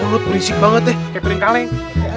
mulut berisik banget deh kayak piring kaleng